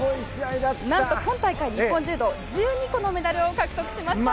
なんと今大会日本柔道１２個のメダルを獲得しました。